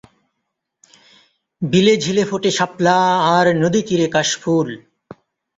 বিলে-ঝিলে ফোটে শাপলা আর নদীতীরে কাশফুল।